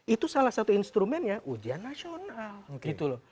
itu salah satu instrumennya ujian nasional